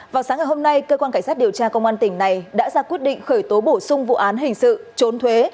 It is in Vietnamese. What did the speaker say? vào sáng ngày hôm nay cơ quan cảnh sát điều tra công an tỉnh này đã ra quyết định khởi tố bổ sung vụ án hình sự trốn thuế